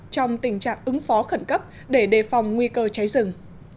trong tình trạng ứng phó khẩn cấp để đề phòng nguy cơ cháy rừng